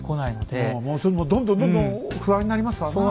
もうそれもどんどんどんどん不安になりますわなあ。